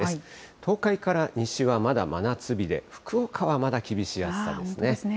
東海から西はまだ真夏日で、福岡はまだ厳しい暑さですね。